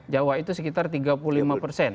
jawa itu sekitar tiga puluh lima persen